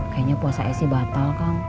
kayaknya puasa esi batal kang